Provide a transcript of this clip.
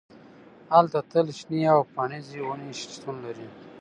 هلته تل شنې او پاڼریزې ونې شتون لري